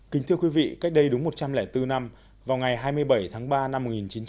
kính thưa quý vị cách đây đúng một trăm linh bốn năm vào ngày hai mươi bảy tháng ba năm một nghìn chín trăm bảy mươi